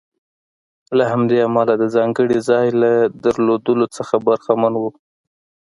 له همدې امله د ځانګړي ځای له درلودلو څخه برخمن و.